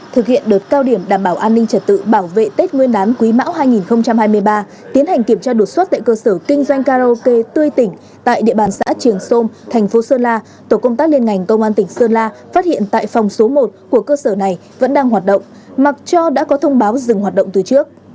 thực hiện đợt cao điểm đảm bảo an ninh trật tự bảo vệ tết nguyên đán quý mão hai nghìn hai mươi ba tiến hành kiểm tra đột xuất tại cơ sở kinh doanh karaoke tươi tỉnh tại địa bàn xã trường sơn thành phố sơn la tổ công tác liên ngành công an tỉnh sơn la phát hiện tại phòng số một của cơ sở này vẫn đang hoạt động mặc cho đã có thông báo dừng hoạt động từ trước